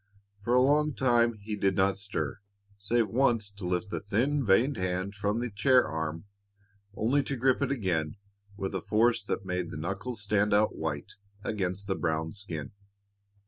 For a long time he did not stir, save once to lift the thin, veined hand from the chair arm, only to grip it again with a force that made the knuckles stand out white against the brown skin.